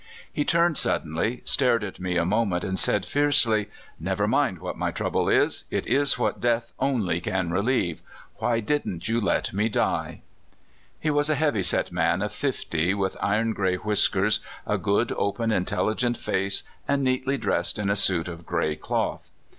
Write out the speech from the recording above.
He turned suddenly, stared at me a moment, and said fiercely: Never mind what my trouble NORTH BEACH, SAN FRANCISCO. II7 is. It is what death only can relieve. Why didn't you let me die? " He was a heavy set man of fifty, with iron gray whiskers, a good, open, intelligent face, and neatly dressed in a suit of gray cloth.